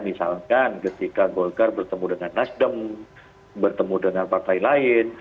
misalkan ketika golkar bertemu dengan nasdem bertemu dengan partai lain